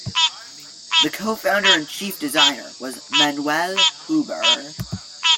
The co-founder and chief designer was Manuel Huber.